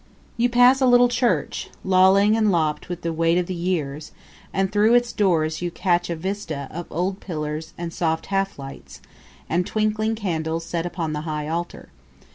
You pass a little church, lolling and lopped with the weight of the years; and through its doors you catch a vista of old pillars and soft half lights, and twinkling candles set upon the high altar.